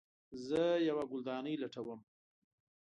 زه یوه ګلدانۍ لټوم